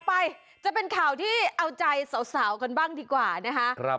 ไปจะเป็นข่าวที่เอาใจสาวกันบ้างดีกว่านะคะ